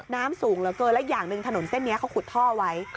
น้ำสูงเหลือเกินและอย่างหนึ่งถนนเส้นนี้เขาขุดท่อไว้